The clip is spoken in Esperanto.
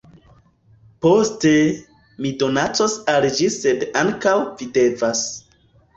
Poste, mi donacos al ĝi sed ankaŭ vi devas